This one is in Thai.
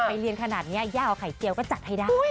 เรียนขนาดนี้ย่าเอาไข่เจียวก็จัดให้ได้